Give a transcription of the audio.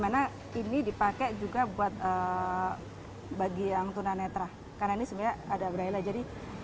lima puluh ribu dua garis sejajar